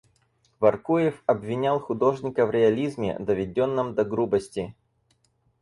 Воркуев обвинял художника в реализме, доведенном до грубости.